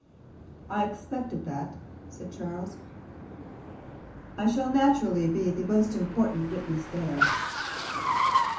"I expected that," said Charles. "I shall naturally be the most important witness there."